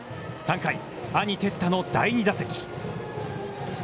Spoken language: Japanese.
３回、兄・哲太の第２打席。